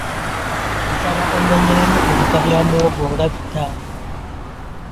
Nsaba ommenyereyo ebika bya muwogo nga bitaano.